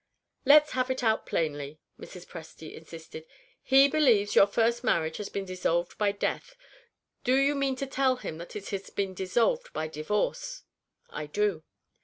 "Let's have it out plainly," Mrs. Presty insisted. "He believes your first marriage has been dissolved by death. Do you mean to tell him that it has been dissolved by Divorce?" "I do."